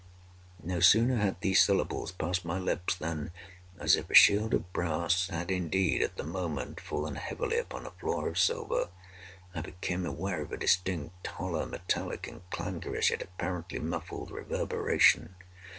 No sooner had these syllables passed my lips, than—as if a shield of brass had indeed, at the moment, fallen heavily upon a floor of silver—I became aware of a distinct, hollow, metallic, and clangorous, yet apparently muffled reverberation.